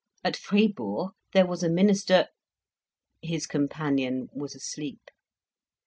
At Fribourg there was a minister His companion was asleep.